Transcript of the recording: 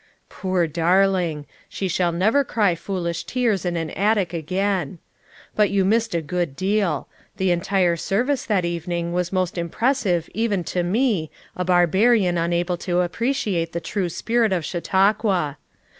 "Poor darling! she shall never cry foolish tears in an attic again. But you missed a good deal. The entire service that evening was most impressive even lo me, a barbarian unable to appreciate the true spirit of Chautauqua.